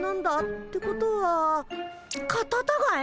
ってことはカタタガエ？